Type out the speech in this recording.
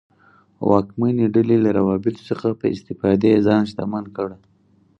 واکمنې ډلې له روابطو څخه په استفادې ځان شتمن کړ.